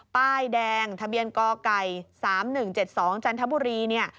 ป้ายแดงทะเบียนก้อกัย๓๑๗๒จันทบุรี